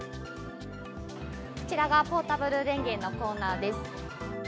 こちらがポータブル電源のコーナーです。